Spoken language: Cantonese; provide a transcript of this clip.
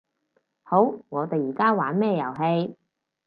好，我哋而家玩咩遊戲